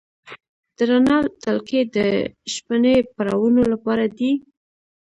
د رڼا تلکې د شپنۍ پروانو لپاره دي؟